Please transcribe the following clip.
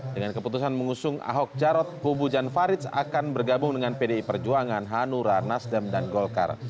dengan keputusan mengusung ahok jarot kubu jan faridz akan bergabung dengan pdi perjuangan hanura nasdem dan golkar